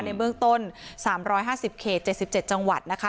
ในเมืองต้นสามร้อยห้าสิบเขตเจ็ดสิบเจ็ดจังหวัดนะคะ